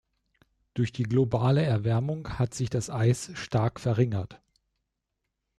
Durch die globale Erwärmung hat sich das Eis stark verringert.